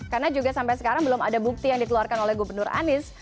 karena juga sampai sekarang belum ada bukti yang dikeluarkan oleh gubernur anies